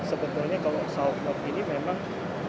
sebetulnya kalau south lobb ini memang